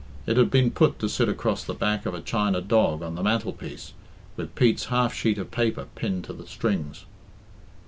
It had been put to sit across the back of a china dog on the mantelpiece, with Pete's half sheet of paper pinned to the strings.